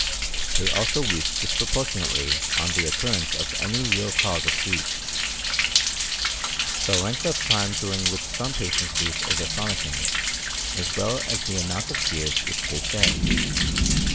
They also weep disproportionately on the occurrence of any real cause of grief. The length of time during which some patients weep is astonishing, as well as the amount of tears which they shed.